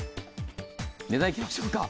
値段いきましょうか。